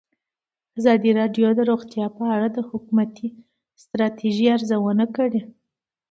ازادي راډیو د روغتیا په اړه د حکومتي ستراتیژۍ ارزونه کړې.